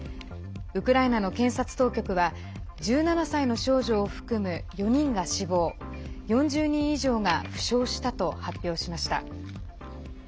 ウクライナの検察当局は１７歳の少女を含む４人が死亡４０人以上が負傷したと発表しました。